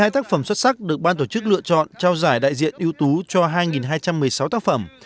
một mươi tác phẩm xuất sắc được ban tổ chức lựa chọn trao giải đại diện ưu tú cho hai hai trăm một mươi sáu tác phẩm